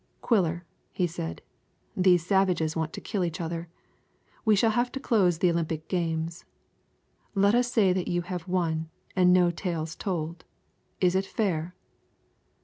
"Quiller," he said, "these savages want to kill each other. We shall have to close the Olympic games. Let us say that you have won, and no tales told. Is it fair?"